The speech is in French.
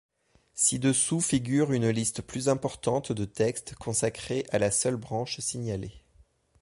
Ci-dessous figure une liste plus importante de textes consacrés à la seule branche signalée.